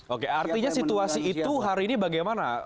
oke artinya situasi itu hari ini bagaimana